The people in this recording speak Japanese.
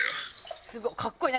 すごい格好いい。